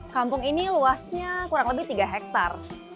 kampung ini luasnya kurang lebih tiga hektare